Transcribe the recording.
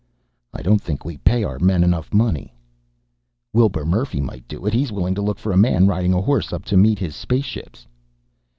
"I don't think we pay our men enough money." "Wilbur Murphy might do it. He's willing to look for a man riding a horse up to meet his space ships."